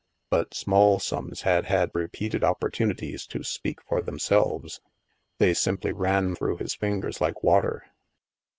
But small sums had had repeated opportunities to speak for themselves. They simply ran through his fingers like water.